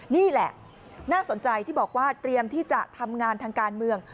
นี่แหละน่าสนใจที่บอกว่าเตรียมที่จะทำงานทางการเมือง